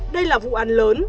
đây là vụ án lớn